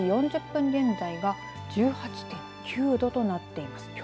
１時４０分現在は１８．９度となっています。